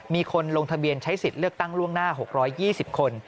มีคนลงทะเบียนใช้สิทธิ์เลือกตั้งล่วงหน้า๖๒๐คน